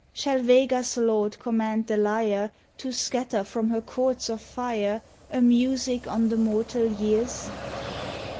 Shall Vega's Lord command the Lyre To scatter from her chords of fire A music on the mortal years?